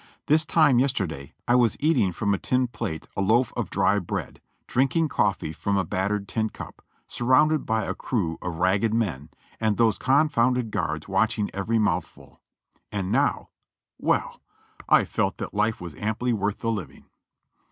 This time yesterday I was eating from a tin plate a loaf of dry bread, drinking coffee from a battered tin cup, surrounded by a crew of ragged men, and those confounded guards watching every mouthful: and now — \Ye\\\ I felt that life was amply worth the living.